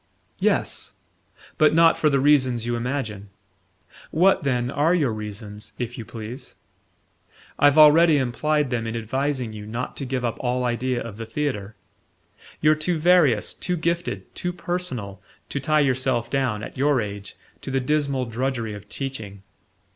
"Yes; but not for the reasons you imagine." "What, then, are your reasons, if you please?" "I've already implied them in advising you not to give up all idea of the theatre. You're too various, too gifted, too personal, to tie yourself down, at your age, to the dismal drudgery of teaching."